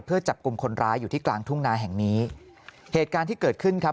เพื่อจับกลุ่มคนร้ายอยู่ที่กลางทุ่งนาแห่งนี้เหตุการณ์ที่เกิดขึ้นครับ